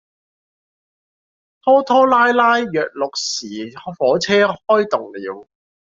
拖拖拉拉約六時火車開動了